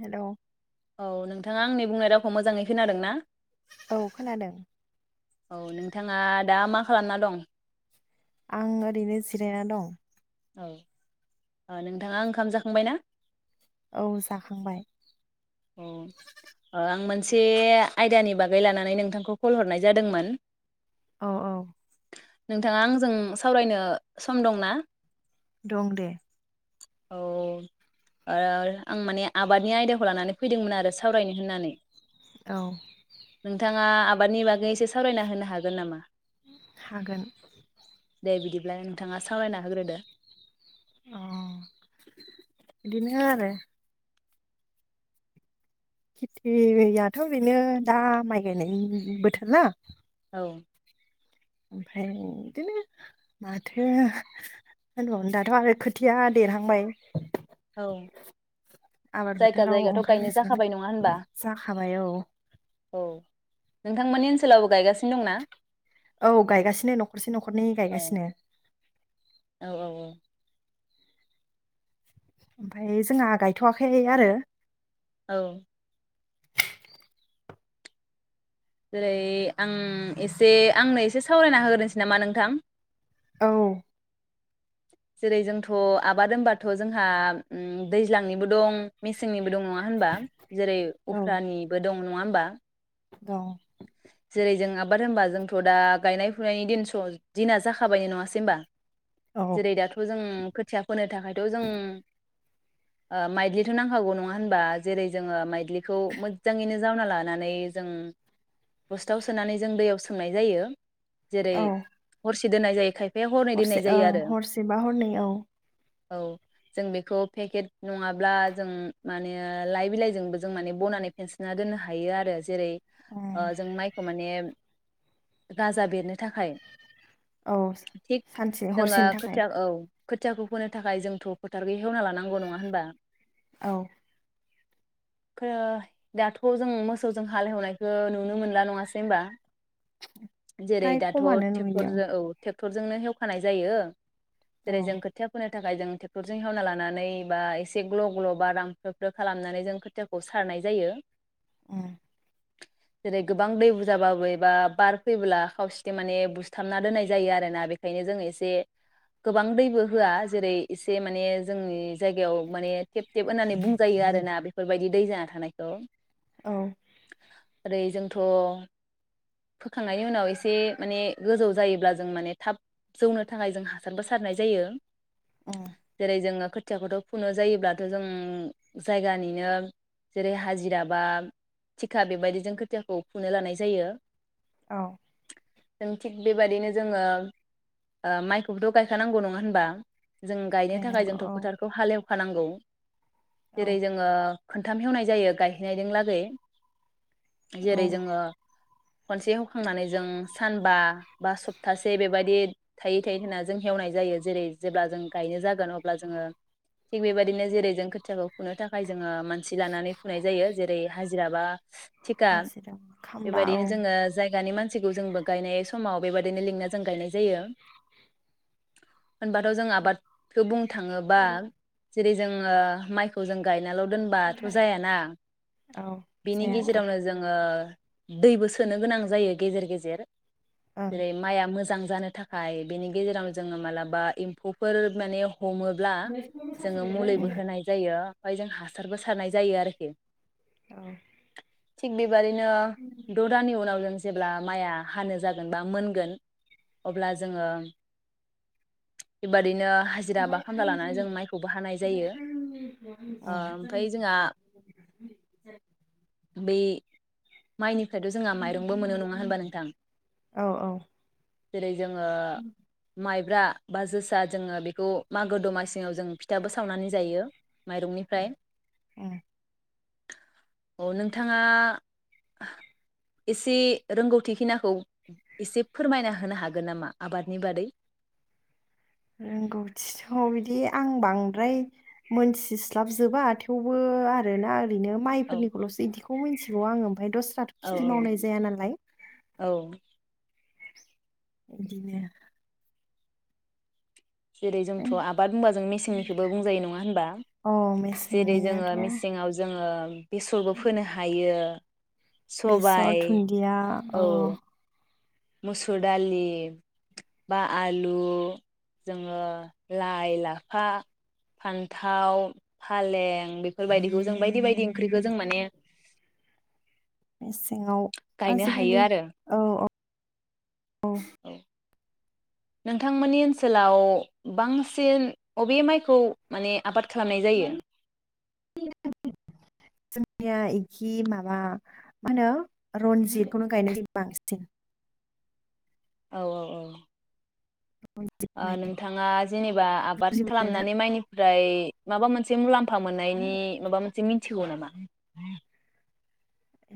Hello औ नोंथाङा आंनि बुंनाय रावखौ मोजाङै खोनादों ना औ खोनादों। औ नोंथाङा दा मा खालामना दं? आं ओरैनो जिरायना दं। औ नोंथाङा ओंखाम जाखांबाय ना? औ जाखांबाय। अ आं [unintelligible] मोनसे आयदानि बागै लानानै नोंथांखौ कल हरनाय जादोंमोन। औ औ नोंथाङा आंजों सावरायनो सम दंना दं दे औ आं माने आबादनि आयदाखौ लानानै फैदोंमोन आरो सावरायनो होननानै औ आ आबादनि बागै एसे सावरायना होनो हागोन नामा? हागोन दे बिदिब्ला नोंथाङा सावरायना होग्रोदो अ बिनो आरो खेथियाथ बेनो दा माइ गायनायनि बोथोरना औ ओमफ्राय बिदिनो माथो होनबावनो दाथ आरो खोथिया देरहांबाय औ आबाद जायगा फोथाराव जायगाथ गायनो ओंखारनांसिगोन जाखाबाय नङा होनबा जाखाबाय औ औ नोंथांमोननि ओनसोलावबो गायगासिनो दंना? औ गायगासिनो नखरसे नखरनै औ गायगासिनो औ ओमफ्राय जोंहा गायथवाखै आरो औ जेरै आं एसे आंनो एसे सावरायना होग्रोनोसै नामा नोंथां? औ जेरै जोंथ आबाद होनबाथ जोंहा दैज्लांनिबो दं मेसेंनि दं होनबा जेरै उफ्रानिबो दं नङा होमबा द जेरै जों आबाद होनबा जोंथ दा गायनाय फुनायनि दिनस दिना जाखाबायनो नङासै होमबा औ जेरै दाथ जों खोथिया फोनो थाखायथ जों ओ माइग्लिथ नांखागौ नङा होनबा जेरै जोङो माइग्लिखौ मोजाङैनो जावना लानानै जों बस्थायाव सोनानै जों दैयाव सोमनाय जायो जेरै औ हरसे दोननाय जायो खायफा हरसे ओं हरसे बा हरनै औ औ जों बेखौ पेकेट नङाब्ला जों माने लाइ बिलाइजोंबो जों माने बनानै फेनसना दोननो हायो आरो जेरै ओ ओं, जों माइखौ माने गाजा बेरनो थाखाय औ थिग सानसे जोङो हरसेनि थाखाय खोथिया औ खोथ खोथियाखौ फोनो थाखाय जोंथ फोथार गै एवना लानांगौ नङा होनबा। औ [unintelligible] दाथ जों मोसौजों हाल एवनायखो नुनो मोनला नङासै होनमबा। जेरै फ्राय दाथ खमानो नुयो ट्रेक्टर जों औ टे ट्रेक्टरजोंनो हेवखानाय जायो। औ जेरै जों खोथिया फोनो थाखाय जों ट्रेक्टरजों हेवना लानानै बा एसे ग्ल ग्ल बा रांफ्रोब फ्रोद खालामनानै जों खोथियाखौ सारनाय जायो। उ जेरै गोबां दै बुरजाबाबो एबा बार फैब्ला खावसेथि माने बुसथाबना दोननाय जायो आरोना बेखायनो जों एसे गोबां दैबो होआ जेरै एसे माने जोंनि जायगायाव माने टेब टेब होननानै बुंजायो आरोना बेफोरबायदि दै जाना थानायखौ औ। ओरै जोंथ फोखांनायनि उनाव एसे माने गोजौ जायोब्ला जों माने थाब जौनो थाखाय जों हासारबो सारनाय जायो। उम जेरै जोङो खोथियाखौथ‌ फुनो जायोब्लाथ जों जायगानिनो जेरै हाजिरा बा थिखा बेबायदि जों खोथियाखौ फुनो लानाय जायो। औ जों थिग बेबाददिनो जोङो माइखौबोथ गायखानांगौ नङा होनबा। जों गायनो थाखाय गायनांगौ जोंथ' औ फोथारखौ हालेव फानांगौ। औ जेरै जोङो। खोनथाम हेवनाय जायो गायहैनायजों लागै। औ जेरै जोङो। खनसे हेखांनानै जों सानबा बा सप्तासे बेबायदि थायै थायै होना जों हेवनाय जायो जेरै जेब्ला जों गायनो जागोन अब्ला जोङो थिग बेबायदिनो जेरै जों खोथियाखौ फुनो थाखाय जोङो। मानसि लानानै फुनाय जायो जेरै हाय हाजिराबा थिखा हाजिरा खामला बेबायदिनो औ जोङो जायगानि मानस सि जोंबो गायनाय समाव बेबायदिनो लिंना जों गायनाय जायो। होनबाथ' जों आबादखौ बुंनो थाङोबा जेरै जोङो माइखौ जों गाय, नाल दोनबाथ जायाना औ बिनि जायाथ' ओं उम जोङो। दैबो सोनो गोनां जायो गेजेर गेजेर। जेर। औ जेरै माइआ मोजां जानो थाखाय बेनि गेजेराव जोङो मालाबा एम्फौफोर माने हमोब्ला जोङो मुलिबो होनाय जायो। ओमफाय जों हासारबो सारनाय जायो आरोखि। उम। थिग बे बेबादिनो द दाननि उनाव जोंस जेब्ला माइया हानो जागोन बा मोनगोन अब्ला जोङो बेबादिनो। हाजिरा बा ओनफाय खामला आङो लानानै जों माइखौबो हानाय ओनफाय जायो आंनि ओ ओमफ्राय जोंहा [unintelligible] उम [unintelligible] बै माइनिफ्रायथ जोंहा माइरंबो मोनो नङा होनबा नोंथां ओं, औ जेरै जोङो माइ रा बा जोसा जोङो बेखौ मागो दमासिङाव जों फि फिथाबो सावनानै जायो माइरंनिफ्राय उम औ नोंथाङा इसे रोंगौथिखिनाखौ इसे फोरमायना होनो हागोन नामा आबादनि बादै? रोंगौथिथ बिदि आं बांद्राय मोनथिस्लाबजोबा थेवबो आरोना रैनो माइ औ फोरनिखौलसो इदिखौ मोनथि बेआव आङो ओमफ्राय दस्राथ' खिथि औ मावनाय जाया नालाय औ इदिनो जेरै जोंथ' आबाद बुंबा जों मेसेंनिखोबो बुंजायो नङा होनबा? अ जेरै मेसेंनियाथ' जोङो मेसेङाव जोङो बेसरबो फोनो हायो। बेसर सबाय थुन्दिया ओ औ मुसुर दालि बा आलु जोङो लाइ लाफा, फान्थाव, फालें बेफोरबायदिखौ जों बायदि फोर बायदि ओंख्रिखो जों माने सिङाव गायनो हायो आजिखालि आरो औ औ औ नोंथांमोननि ओनसोलाव बांसिन अबे माइखौ माने आबाद खालामनाय जायो। [inaudible] जोंनिया इखि माबा मा होनो रनजितखौनो गायनायजायो बांसिन औ औ औ रनजित ओ माइ नोंथाङा जेनेबा आबाद बुजि मोनोना खालामनानै माइनिफ्राय माबा मोनसे मुलाम फा मोननायनि माबा मोनसे मिन थिगौ नामा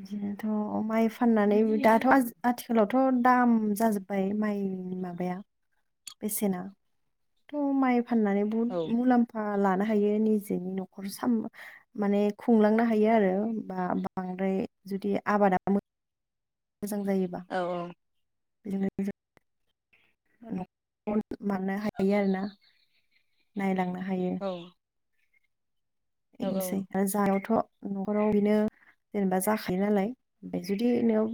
बिदिनोथ माइ फाननानै [unintelligible] दाथ आथिखालावथ दाम जाजोब्बाय माइनि माबाया बेसेना थ' माइ फाननानै बुहुत औ मुलाम्फा बा लानो हायो निजिनि न'खर साम माने खुंलांनो हायो आरो बा बांद्राय जुदि आबादा [unintelligible] मोजां जायोबा औ बिदिनो [unintelligible] [unintelligible] माने हायो आरोना नायलांना हायो औ औ बेनोसै आरो जानायावथ' न'खराव बिनो जेनेबा जाखायो नालाय जुदि नों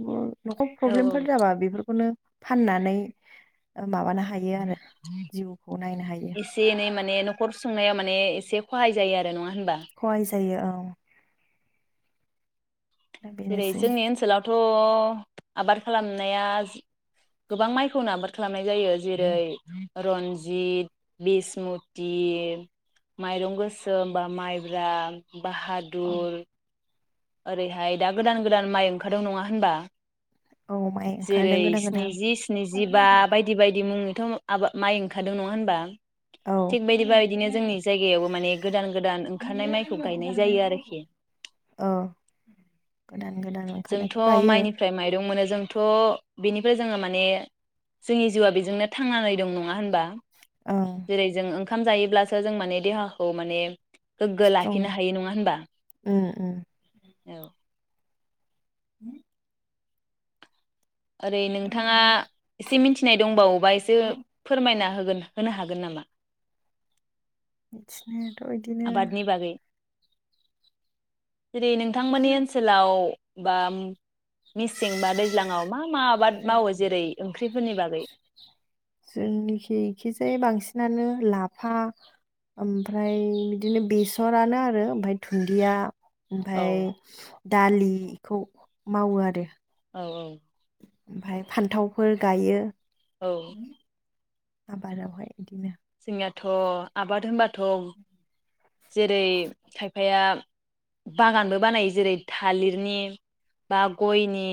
न'खर औ औ प्रब्लेमफोर जाबा बेफोरखौनो फाननानै ओ माबानो हायो आरो जिउखौ नायनो हायो। एसे एनै माने नखर सुंनाया माने एसे खहाय जायो आर नङा होनबा? सहाय जायो औ। दा जेरै बेनोसै जोंनि ओनसोलावथ थ आबाद खालामनाया गोबां माइखौनो आबाद खालामनाय जायो जेरै रन्जित बिसमुति माइरं गोसोम बा माइब्रा औ बाहादुर। ओरैहाय दा गोदान गोदान माइ ओंखारदों नङा होनबा औ माइ जेरै ओंखारदों गोदान गोदान स्निजि स्निजिबा बायदि बायदि मुङै थोम आबा माइ ओंखारदों नङा होनबा औ थिग बेदिबादिनो जोंनि जायगायावबो माने गोदान गोदान ओंखारनाय माइखौ गायनाय जायो आरोखि। अ गोदान गोदान जोंथ' ओंखारनायखौ गायो। माइनिफ्राय माइरं मोनो जोंथ बेनिफ्राय जोङो माने जोंनि जिउआ बेजोंनो थांनानै दं नङा होनबा? ओं जेरै जों ओं ओंखाम जायोब्लासो जों माने देहाखौ माने गोग्गो स्ट्रं लाखिनो हायो नङा होनबा उम उम औ हु ओरै नोंथाङा एसे मिथिनाय दंबावोबा एसे फोरमायना हो गोन होनो हागोन नामा? इदिनो अयदिनो। आबादनि बागै जेरै- नोंथांमोननि ओनसोलाव बा मिसिं बा दैज्लाङाव मा मा आबाद मावो जेरै ओंख्रिफोरनि बागै? जोंनिखि इखिजाय बांसिनानो लाफा ओमफ्राय बिदिनो बेसरानो आरो ओमफ्राय धुन्दिया। औ ओमफाय। दालिखौ मावो आरो औ औ। ओमफाय फान्थावफोर गायो। औ। आबादआवहाय इदिनो जोंनाथ आबाद होनबाथ जेरै खायफाया बागानबो बानायो जेरै थालिरनि बा गयनि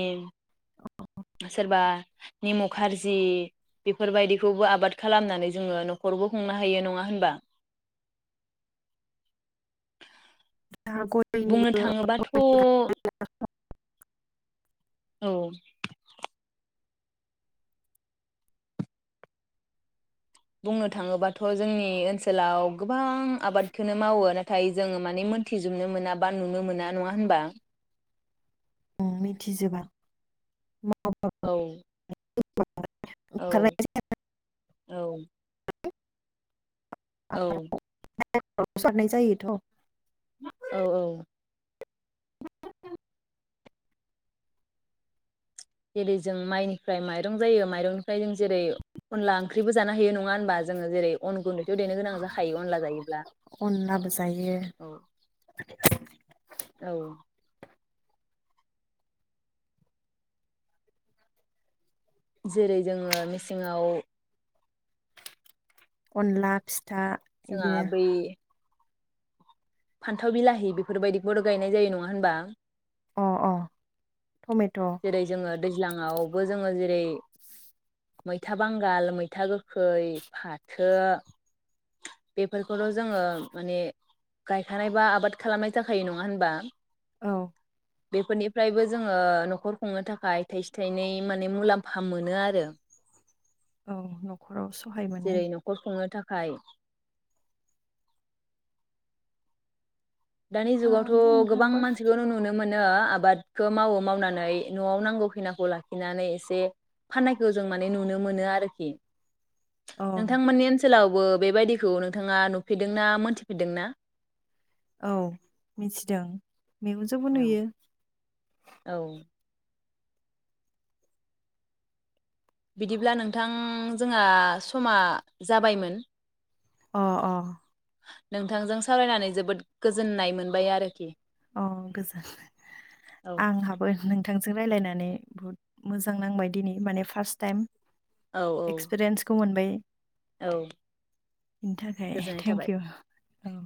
सोरबा निमु खारजि बेफोरबायदिखौबो आबाद खालामनानै जोङो नखरावबो खुंनो हायो नङा होनबा? दा गयनिबो बुंनो थाङोबाथ औ बुंनो थाङोबाथ जोंनि ओनसोलाव गोबां आबादखौ मावो नाथाय जोङो माने मोनथिजोबनो मोना बा नुनो मोना नङा होनबा? उम मिथिजोबा- औ। औ [inaudible] औ [inaudible] औ। [unintelligible] जायोथ' औ औ। [inaudible] जेरै जों माइनिफ्राय माइरं जायो माइरंनिफ्राय जों जेरै अनला ओंख्रिबो जानो हायो नङा होनबा जोङो जेरै अन गुन्दैथ देनो गोनां जाखायो अनला जायोब्ला अनलाबो जायो औ औ। जेरै जोङो मेसेङाव अनला फिथ दा जोंहा बिदिनो बै फान्थाव बिलाहि बेफोरबायदिखौबोथ गायनाय जायो नङा होनबा? अ अ। टमेट जेरै जोङो दैज्लाङावबो जोङो जेरै मैथा बांगाल, मैथा गोखै, फाथो बे फोरखौल जोङो माने गायखानाय बा आबाद खालामनाय जाखायो नङा होनबा? औ। बेफोरनिफ्रायबो जोङो नखर खुंनो थाखाय थाइसे थाइनै माने मुलाम्फा मोनो आरो औ नखराव सहाय मोनो जेरै नखर खुंनो थाखाय हाय दानि दा जुगावथ' बुंनो गोबां थाङोबा मानसिखौनो नुनो मोनो आबादखौ मावो मावनानै न'आव नांगौ खिनाखौ लाखिनानै एसे फाननायखौ जों माने नुनो मोनो आरोखि। अ नोंथांमोननि ओन सोलावबो बेबायदिखौ नोंथाङा नुफेरदों ना मोनथिफेरदों ना? औ मिथिदों। मेगनजोंबो औ नुयो औ। बिदिब्ला नोंथां जोंहा समा जाबायमोन। अ अ नोंथांजों सावरायनानै जोबोद गोजोननाय मोनबाय आरोखि। अ' गोजोन औ आंहाबो नों थांजों रायलायनानै बुहुत मोजां नांबाय दिनै माने फार्स्ट टाइम। औ एक्सपिरियेसखौ मोन बै औ बेनि थाखाय गोजोननाय थेंक थाबाय इउ। ओं